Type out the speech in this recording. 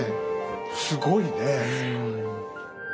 すごいねえ！